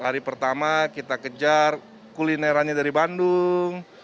hari pertama kita kejar kulinerannya dari bandung